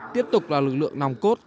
tiếp tục là lực lượng nòng cốt